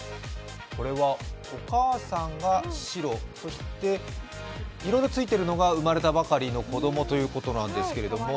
これはお母さんが白、そして色のついてるのが生まれたばかりの子供ということなんですけども、